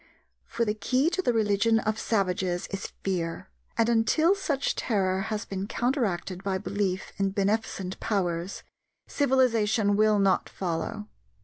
For the key to the religion of savages is fear, and until such terror has been counteracted by belief in beneficent powers, civilization will not follow.